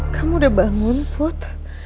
kamu udah bangun put